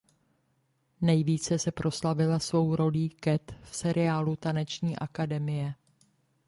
Nejvíce se proslavila svou rolí Kat v seriálu Taneční akademie.